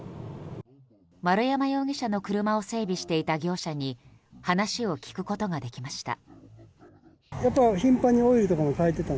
丸山容疑者の車を整備していた業者に話を聞くことができました。